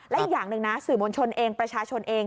และอีกอย่างหนึ่งนะสื่อมวลชนเองประชาชนเอง